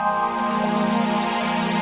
sampai jumpa lagi